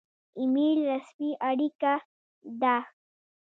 ایمیل رسمي اړیکه ده